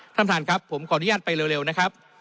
ท่านประธานครับผมขออนุญาตไปเร็วนะครับ